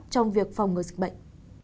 trong việc phòng ngừa dịch bệnh